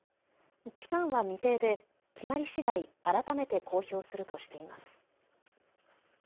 期間は未定で、決まりしだい改めて公表するとしています。